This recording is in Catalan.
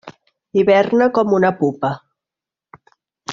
Hiberna com una pupa.